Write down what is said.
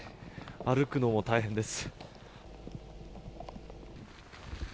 歩くのも大変です。